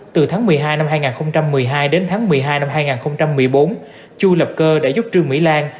từ tháng một mươi hai năm hai nghìn một mươi hai đến tháng một mươi hai năm hai nghìn một mươi bốn chu lập cơ đã giúp trương mỹ lan